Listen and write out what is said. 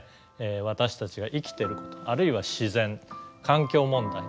私たちが生きてることあるいは自然環境問題